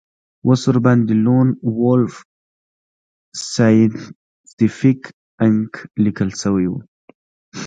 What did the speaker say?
اوس ورباندې لون وولف سایینټیفیک انک لیکل شوي وو